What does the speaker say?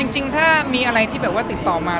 จริงถ้ามีอะไรที่แบบว่าติดต่อมา